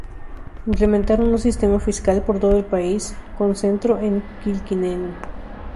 Implementaron un sistema fiscal por todo el país, con centro en Kilkenny.